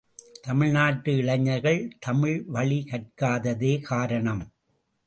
தமிழ் நாட்டு இளைஞர்கள் தமிழ் வழி கற்காததே காரணம்!